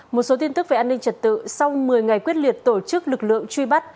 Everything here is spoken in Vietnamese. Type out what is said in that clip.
một số tin tức về an ninh trật tự sau một mươi ngày quyết liệt tổ chức lực lượng truy bắt